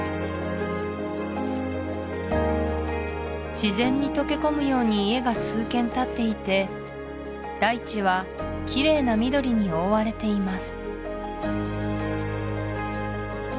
自然に溶け込むように家が数軒立っていて大地はきれいな緑に覆われています